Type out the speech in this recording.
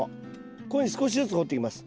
こういうふうに少しずつ掘っていきます。